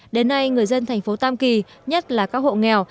đến nay người dân thành phố tam kỳ nhất là các hộ nghèo